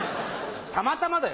たまたまだよ。